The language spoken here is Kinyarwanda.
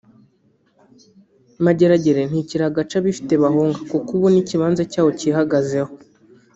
Mageragere ntikiri agace abifite bahunga kuko ubu n’ikibanza cyaho cyihagazeho